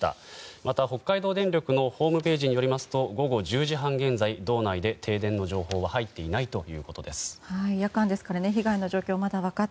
また北海道電力のホームページによりますと午後１０時半現在道内で停電の情報はチューハイって何か甘すぎない？